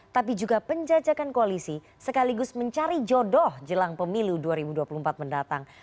tapi juga penjajakan koalisi sekaligus mencari jodoh jelang pemilu dua ribu dua puluh empat mendatang